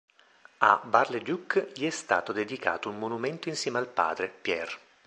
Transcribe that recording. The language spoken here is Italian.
A Bar-le-Duc gli è stato dedicato un monumento insieme al padre, Pierre.